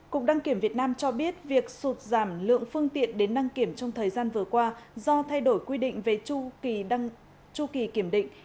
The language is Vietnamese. cục đăng kiểm việt nam cho biết việc sụt giảm lượng phương tiện đến đăng kiểm trong thời gian vừa qua do thay đổi quy định về chu kỳ kiểm định